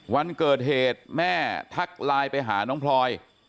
วันเกิดเหตุแม่ทักไลน์ไปหาน้องพลอย